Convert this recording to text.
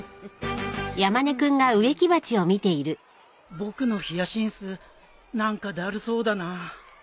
僕のヒヤシンス何かだるそうだな